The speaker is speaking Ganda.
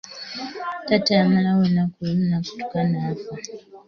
Taata yamalawo olunaku lumu n’akutuka n'afa.